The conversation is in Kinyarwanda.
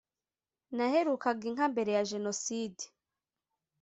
naherukaga inka mbere ya Jenoside